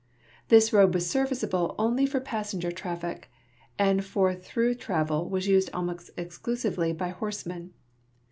This road was serviceable only for passenger traffic, and for through travel was used almost exclusively by horsemen.